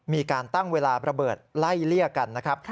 มีการตั้งเวลาระเบิดไล่เลี่ยกันนะครับ